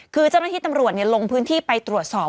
คือเจ้าหน้าที่ตำรวจลงพื้นที่ไปตรวจสอบ